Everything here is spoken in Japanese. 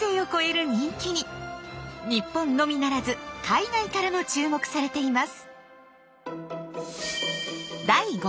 日本のみならず海外からも注目されています。